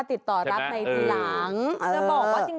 ติดต่อรับในหลัง